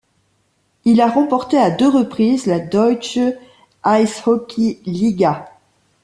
Il a remporté à deux reprises la Deutsche Eishockey Liga.